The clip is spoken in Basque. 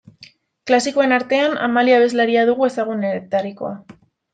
Klasikoen artean, Amalia abeslaria dugu ezagunenetarikoa.